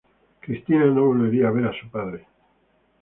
Cristina no volvería a ver a su padre.